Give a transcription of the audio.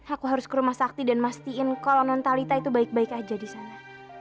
aku harus ke rumah sakti dan mastiin kalau non talita itu baik baik aja di sana